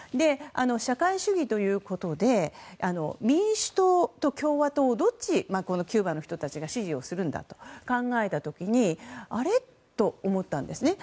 社会主義ということで民主党と共和党のどっち、キューバの人たちが支持をするんだと考えた時にあれ？と思ったんですね。